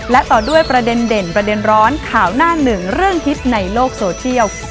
และต่อด้วยประเด็นเด่นประเด็นร้อนข่าวหน้าหนึ่งเรื่องฮิตในโลกโซเทียล